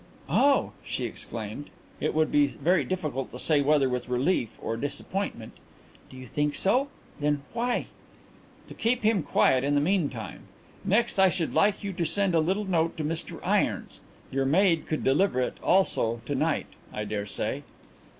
"Oh," she exclaimed it would be difficult to say whether with relief or disappointment "do you think so? Then why " "To keep him quiet in the meantime. Next I should like you to send a little note to Mr Irons your maid could deliver it also to night, I dare say?"